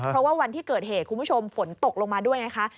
เพราะว่าวันที่เกิดเหตุคุณผู้ชมฝนตกลงมาด้วยไงคะ